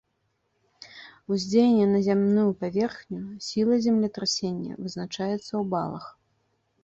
Уздзеянне на зямную паверхню, сіла землетрасення, вызначаецца ў балах.